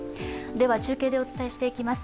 中継でお伝えしていきます。